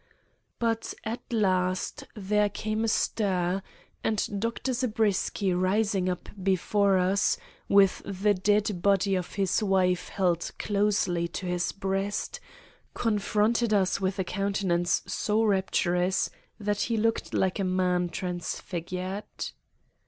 But at last there came a stir, and Dr. Zabriskie, rising up before us, with the dead body of his wife held closely to his breast, confronted us with a countenance so rapturous that he looked like a man transfigured.